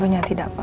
tentunya tidak pak